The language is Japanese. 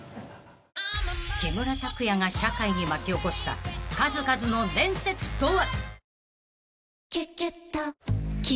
［木村拓哉が社会に巻き起こした数々の伝説とは？］